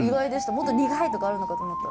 もっと苦いとかあるのかと思ったら。